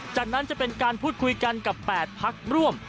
จากนั้นจะเป็นการพูดคุยกันกับ๘พักร่วม